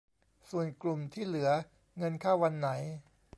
ส่วนกลุ่มที่เหลือเงินเข้าวันไหน